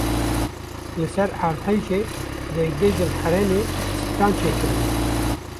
Li ser erdhejê dengbêjên herêmê stran çêkirine.